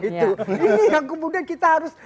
ini yang kemudian kita harus